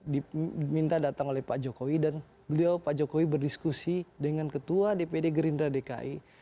diminta datang oleh pak jokowi dan beliau pak jokowi berdiskusi dengan ketua dpd gerindra dki